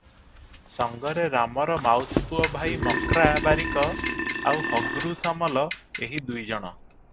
ସଙ୍ଗରେ ରାମର ମାଉସୀପୁଅ ଭାଇ ମକ୍ରା ବାରିକ ଆଉ ହଗ୍ରୁ ସାମଲ ଏହି ଦୁଇଜଣ ।